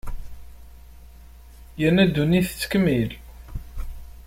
Yerna ddunit tettkemmil.